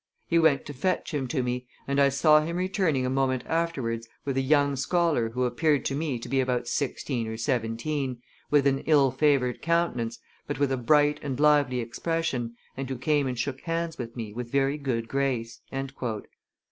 He went to fetch him to me, and I saw him returning a moment afterwards with a young scholar who appeared to me to be about sixteen or seventeen, with an ill favored countenance, but with a bright and lively expression, and who came and shook hands with me with very good grace."